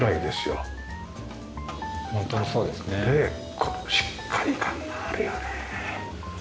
こうしっかり感があるよねえ。